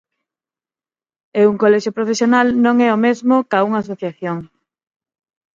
E un colexio profesional non é o mesmo ca unha asociación.